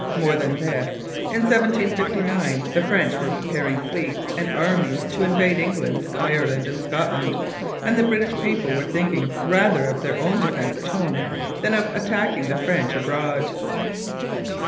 More than this, in 1759 the French were preparing fleets and armies to invade England, Ireland, and Scotland; and the British people were thinking rather of their own defence at home than of attacking the French abroad.